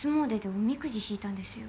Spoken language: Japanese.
おみくじ引いたんですよ。